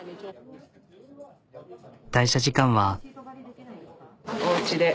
退社時間は。